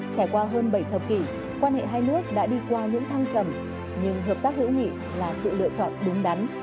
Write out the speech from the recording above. trải qua hơn bảy thập kỷ quan hệ hai nước đã đi qua những thăng trầm nhưng hợp tác hữu nghị là sự lựa chọn đúng đắn